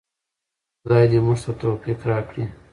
خدای دې موږ ته توفیق راکړي.